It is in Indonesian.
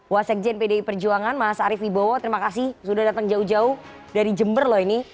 wasekjen pdi perjuangan mas arief ibowo terima kasih sudah datang jauh jauh dari jember loh ini